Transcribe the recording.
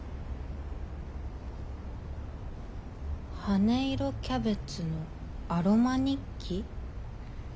「羽色キャベツのアロマ日記」？